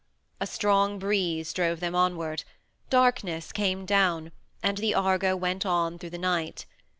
A strong breeze drove them onward; darkness came down, and the Argo went on through the night.